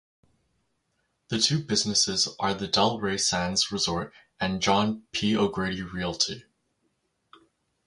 The two businesses are The Delray Sands Resort and John P O'Grady Realty.